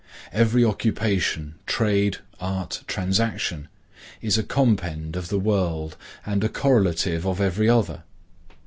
Every occupation, trade, art, transaction, is a compend of the world and a correlative of every other.